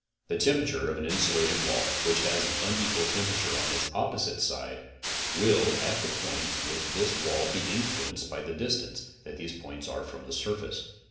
The temperature of an nsulated wall, which has an unequal] temperature on its opposite sides, will at the points within this wall be influenced by the distance that these points are from the surface.